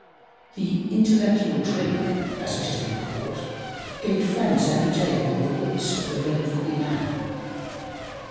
The "intellectual drink," as it has been called, gained friends every day among the wits of the reign of Queen Anne.